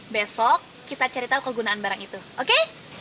besok kita cari tahu kegunaan barang itu oke